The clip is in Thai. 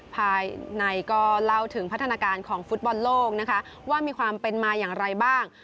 ภายในก็เล่าถึงพัฒนาการของฟุตบอลโลกนะคะว่ามีความเป็นมาอย่างไรบ้าง